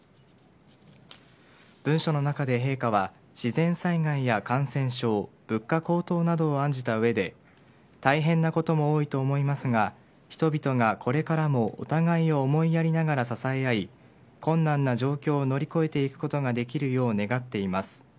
文書の中で、陛下は自然災害や感染症物価高騰などを案じたうえで大変なことも多いと思いますが人々が、これからもお互いを思いやりながら支え合い困難な状況を乗り越えていくことができるよう願っています。